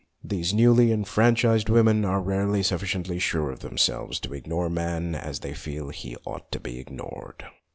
These newly enfranchised women are rarely sufficiently sure of themselves to ignore man as they feel he ought to be ignored.